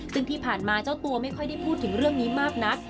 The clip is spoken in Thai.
ซึ่งที่ผ่านมาเจ้าตัวไม่ค่อยได้พูดถึงเรื่องนี้มากนัก